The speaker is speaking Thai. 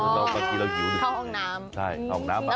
อ้อที่คำน้ำ